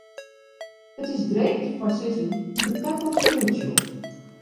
It is dreech te foarsizzen hoe't de takomst der út sjocht.